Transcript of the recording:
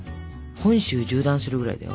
本州縦断するぐらいだよ。